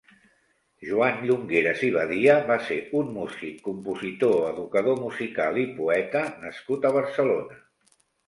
Joan Llongueres i Badia va ser un músic, compositor, educador musical i poeta nascut a Barcelona.